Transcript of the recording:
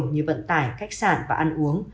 như vận tải cách sản và ăn uống